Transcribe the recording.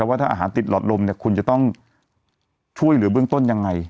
ว่าถ้าอาหารติดหลอดลมเนี่ยคุณจะต้องช่วยเหลือเบื้องต้นยังไง